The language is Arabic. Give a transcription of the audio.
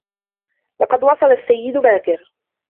لقد وصل السّيّد باكر.